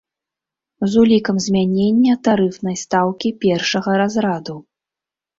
З улікам змянення тарыфнай стаўкі першага разраду.